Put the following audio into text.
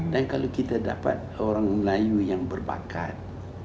dan kalau kita dapat orang melayu yang berbakat